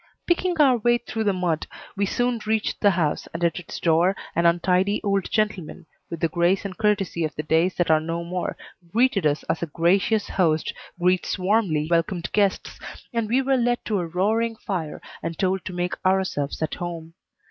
Picking our way through the mud, we soon reached the house, and at its door an untidy old gentleman, with the grace and courtesy of the days that are no more, greeted us as a gracious host greets warmly welcomed guests, and we were led to a roaring fire and told to make ourselves at home.